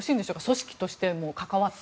組織としても関わって。